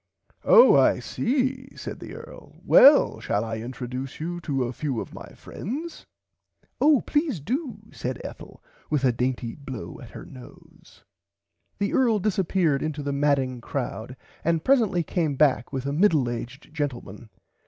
Oh I see said the earl well shall I introduce you to a few of my friends. Of please do said Ethel with a dainty blow at her nose. The earl disserppeard into the madding crowd and presently came back with a middle aged gentleman.